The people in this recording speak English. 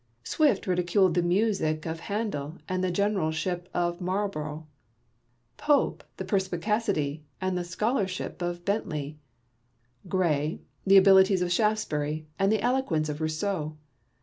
Swift ridiculed the music of Handel and the generalship of Marlborough ; Pope the per spicacity and the scholarship of Bentley ; Gray the abilities of Shaftesbury and the eloquence of Rousseau.